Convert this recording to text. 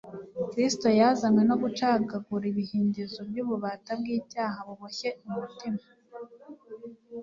Kristo yazanywe no gucagagura ibihindizo by'ububata bw'icyaha buboshye umutima.